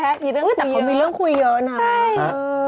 แต่เขามีเรื่องคุยเยอะนะ